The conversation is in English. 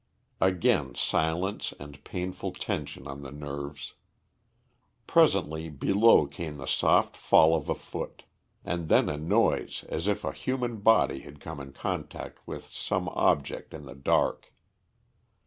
Again silence and painful tension on the nerves. Presently below came the soft fall of a foot, and then a noise as if a human body had come in contact with some object in the dark.